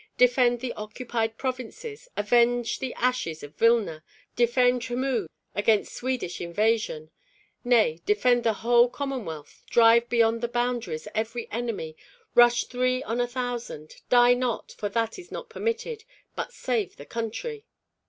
Defend the occupied provinces, avenge the ashes of Vilna, defend Jmud against Swedish invasion, nay, defend the whole Commonwealth, drive beyond the boundaries every enemy! Rush three on a thousand; die not, for that is not permitted, but save the country."